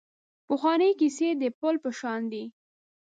پخوانۍ کیسې د پل په شان دي .